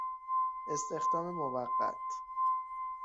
استخدام موقت